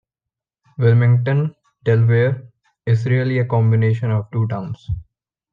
Wilmington, Delaware, is really a combination of two towns.